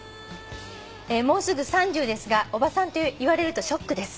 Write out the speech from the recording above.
「もうすぐ３０ですがおばさんと言われるとショックです」